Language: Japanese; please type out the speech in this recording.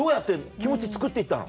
気持ちつくって行ったの？